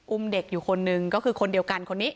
อุ้มเด็กอยู่คนหนึ่งก็คือคนเดียวกันคนนี้